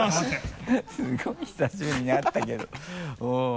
すごい久しぶりに会ったけど